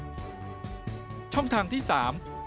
๓เงินที่ได้จากการจำหน่ายสินค้าหรือบริการเช่นขายร่มขายเสื้อ